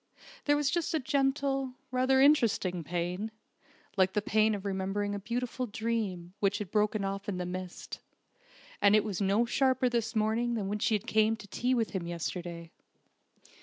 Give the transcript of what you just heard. There was just a gentle, rather interesting pain, like the pain of remembering a beautiful dream which had broken off in the midst; and it was no sharper this morning than when she came to tea with him yesterday.